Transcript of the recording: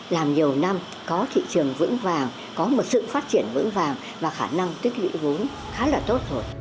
làm nhiều năm có thị trường vững vàng có một sự phát triển vững vàng và khả năng tích lựu vô